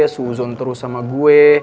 suuzon terus sama gue